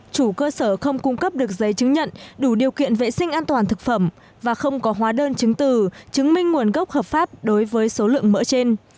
chủ cơ sở không cung cấp được giấy chứng nhận đủ điều kiện vệ sinh an toàn thực phẩm và không có hóa đơn chứng từ chứng minh nguồn gốc hợp pháp đối với số lượng mỡ trên